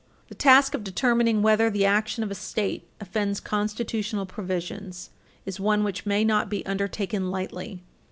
The task of determining whether the action of a State offends constitutional provisions is one which may not be undertaken lightly.